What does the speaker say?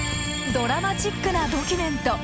ドラマチックなドキュメント。